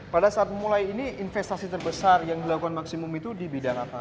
pada saat memulai ini investasi terbesar yang dilakukan maksimum itu di bidang apa